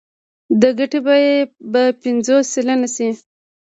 د ګټې بیه به پنځوس سلنه شي